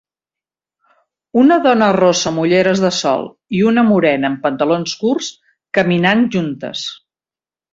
Una dona rossa amb ulleres de sol i una morena amb pantalons curts caminant juntes.